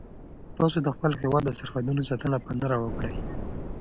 تاسو د خپل هیواد د سرحدونو ساتنه په نره وکړئ.